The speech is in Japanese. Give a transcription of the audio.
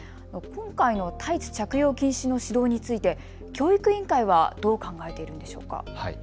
今回のタイツ着用禁止の指導について教育委員会はどう考えているんでしょうか。